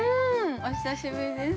◆お久しぶりです。